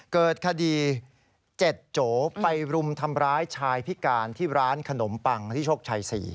เกิดคดี๗โจไปรุมทำร้ายชายพิการที่ร้านขนมปังที่โชคชัย๔